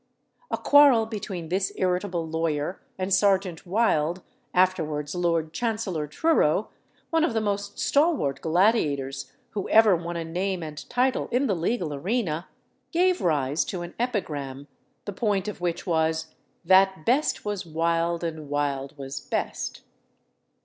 A quarrel between this irritable lawyer and Serjeant Wilde, afterwards Lord Chancellor Truro, one of the most stalwart gladiators who ever won a name and title in the legal arena, gave rise to an epigram, the point of which was "That Best was wild, and Wilde was best."